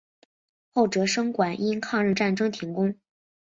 后哲生馆因抗日战争停工。